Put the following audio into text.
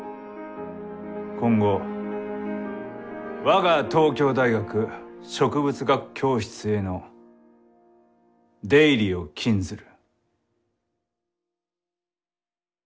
今後我が東京大学植物学教室への出入りを禁ずる。